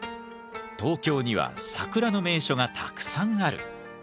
東京には桜の名所がたくさんある。